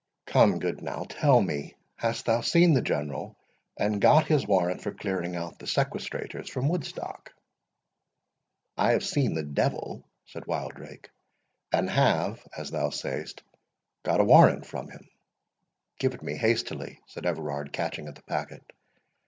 Come, good now, tell me, hast thou seen the General, and got his warrant for clearing out the sequestrators from Woodstock?" "I have seen the devil," said Wildrake, "and have, as thou say'st, got a warrant from him." "Give it me hastily," said Everard, catching at the packet.